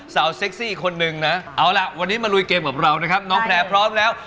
เซ็กซี่อีกคนนึงนะเอาล่ะวันนี้มาลุยเกมกับเรานะครับน้องแพลร์พร้อมแล้ว